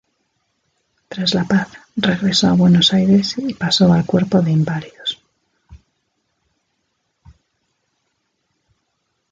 Tras la paz, regresó a Buenos Aires y pasó al Cuerpo de Inválidos.